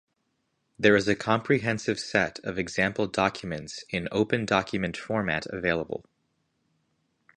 There is a comprehensive set of example documents in OpenDocument format available.